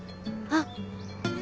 あっ。